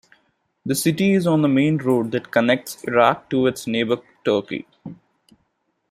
The city is on the main road that connects Iraq to its neighbour Turkey.